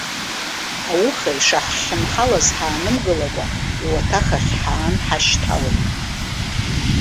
Ауха ишаҳхьынҳалаз ҳаанымгылакәа иуаҭах ахь ҳаан ҳашьҭалеит.